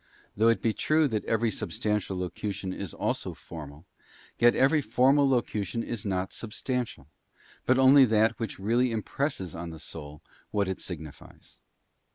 Though it be true that every substantial locution is also formal, yet every formal locution is not sub stantial; but only that which really impresses on the soul what it signifies.